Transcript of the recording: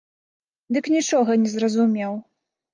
Дык нічога не зразумеў.